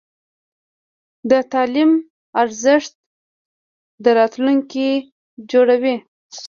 د تعلیم ارزښت د راتلونکي جوړوي.